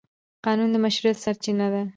قانون د مشروعیت سرچینه ده.